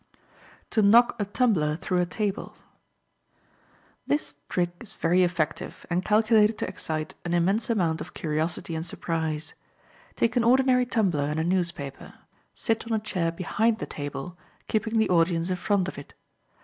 To Knock a Tumbler Through a Table.—This trick is very effective, and calculated to excite an immense amount of curiosity and surprise. Take an ordinary tumbler and a newspaper. Sit on a chair behind the table, keeping the audience in front of it.